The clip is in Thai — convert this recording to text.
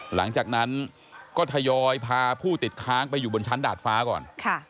หลังจากนั้นก็ทยอยพาผู้ติดค้างไปอยู่บนชั้นดาดฟ้าก่อน